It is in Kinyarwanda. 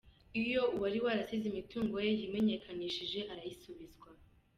Iyo uwari warasize imitungo ye yimenyekanishije arayisubizwa.